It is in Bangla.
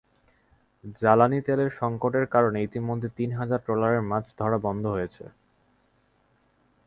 জালানি তেলের সংকটের কারণে ইতিমধ্যে তিন হাজার ট্রলারের মাছ ধরা বন্ধ রয়েছে।